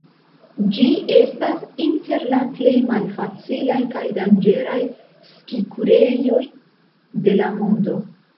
Ĝi estas inter la plej malfacilaj kaj danĝeraj ski-kurejoj de la mondo.